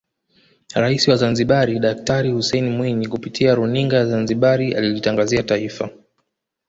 Rais wa Zanzibari Daktari Hussein Mwinyi kupitia runinga ya Zanzibari alilitangazia Taifa